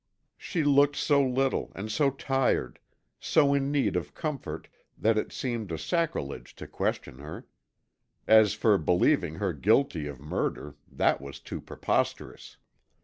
She looked so little, and so tired, so in need of comfort that it seemed a sacrilege to question her. As for believing her guilty of murder, that was too preposterous!